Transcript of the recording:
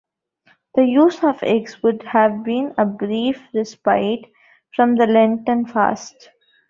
The use of eggs would have been a brief respite from the Lenten fast.